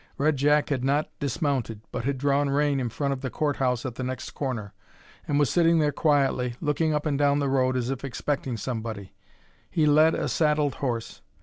Red Jack had not dismounted, but had drawn rein in front of the court house at the next corner, and was sitting there quietly, looking up and down the road as if expecting somebody. He led a saddled horse.